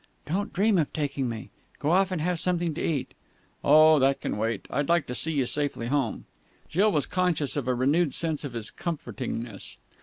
"Don't dream of taking me. Go off and have something to eat." "Oh, that can wait. I'd like to see you safely home." Jill was conscious of a renewed sense of his comfortingness.